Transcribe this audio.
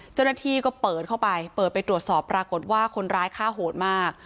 เจ้าหน้าที่ก็เปิดเข้าไปเปิดไปตรวจสอบปรากฏว่าคนร้ายฆ่าโหดมาก